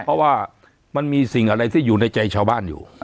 เพราะว่ามันมีสิ่งอะไรที่อยู่ในใจชาวบ้านอยู่